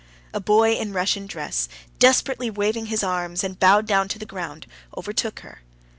A boy in Russian dress, desperately waving his arms and bowed down to the ground, overtook her.